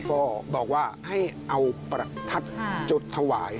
ก็บอกว่าให้เอาประทัดจุดถวาย